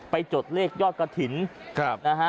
จดเลขยอดกระถิ่นนะฮะ